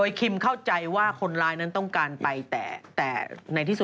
ไม่เข้าใจภาษาอังกฤษ